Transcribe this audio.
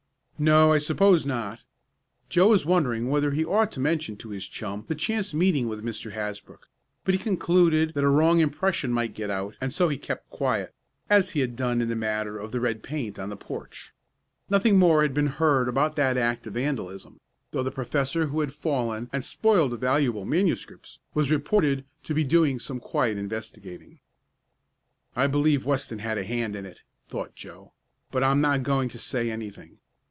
"No, I suppose not." Joe was wondering whether he ought to mention to his chum the chance meeting with Mr. Hasbrook, but he concluded that a wrong impression might get out and so he kept quiet, as he had done in the matter of the red paint on the porch. Nothing more had been heard about that act of vandalism, though the professor who had fallen and spoiled the valuable manuscripts was reported to be doing some quiet investigating. "I believe Weston had a hand in it," thought Joe, "but I'm not going to say anything.